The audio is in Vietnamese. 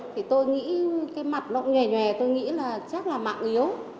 thì tôi nghĩ cái mặt lộn nhòe nhòe tôi nghĩ là chắc là mạng yếu